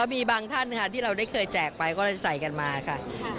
มีบางท่านค่ะที่เราได้เคยแจกไปก็เลยใส่กันมาค่ะ